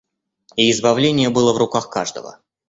И избавление было в руках каждого.